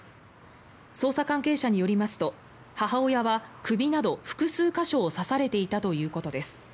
捜査関係者によりますと母親は首など複数箇所を刺されていたということです。